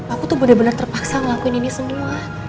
aku tuh bener bener terpaksa ngelakuin ini semua